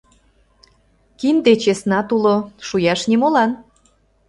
Кинде-чеснат уло, шуяш нимолан.